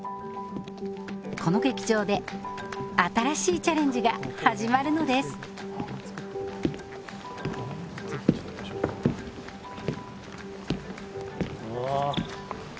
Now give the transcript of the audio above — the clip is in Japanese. この劇場で新しいチャレンジが始まるのですうわ